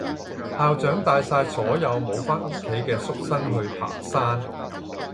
校長帶晒所有無返屋企嘅宿生去爬山